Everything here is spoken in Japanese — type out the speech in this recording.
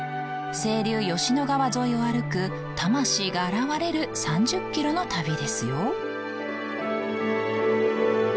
清流吉野川沿いを歩く魂が洗われる３０キロの旅ですよ。